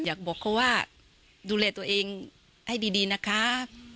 อยากบอกเขาว่าดูแลตัวเองให้ดีนะคะ